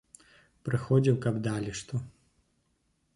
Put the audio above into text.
Прыходзіў, каб далі што.